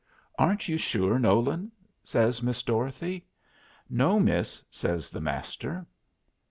"Aren't you sure, Nolan?" says Miss Dorothy. "No, miss," says the Master.